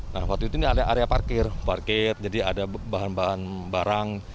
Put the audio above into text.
nah waktu itu ini ada area parkir parkir jadi ada bahan bahan barang